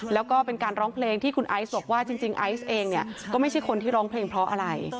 แล้วก็เป็นการร้องเพลงที่คุณไอซ์บอกว่าจริงไอซ์เองเนี่ยก็ไม่ใช่คนที่ร้องเพลงเพราะอะไร